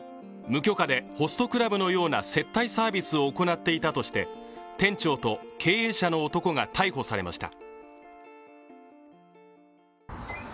無許可でホストクラブのような接待サービスを行っていたとして店長と経営者の男が逮捕されました。